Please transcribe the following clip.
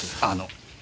あの。